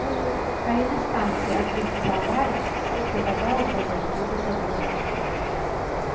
Калі на станцыі адбудзецца аварыя, то вада ў возеры будзе забруджаная.